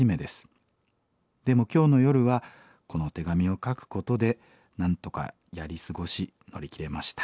でも今日の夜はこの手紙を書くことでなんとかやり過ごし乗り切れました」。